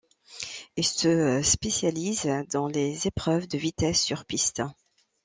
Il se spécialise dans les épreuves de vitesse sur piste.